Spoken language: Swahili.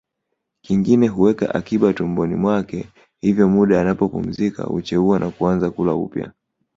Kingine huweka akiba tumboni mwake hivyo muda anapopumzika hucheua na kuanza kula upya